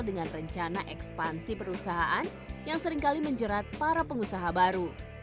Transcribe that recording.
dengan rencana ekspansi perusahaan yang seringkali menjerat para pengusaha baru